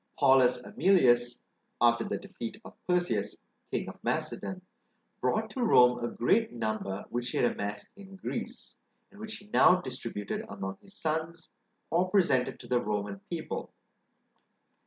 Paulus Emilius, after the defeat of Perseus, king of Macedon, brought to Rome a great number which he had amassed in Greece, and which he now distributed among his sons, or presented to the Roman people.